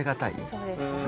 そうですよね。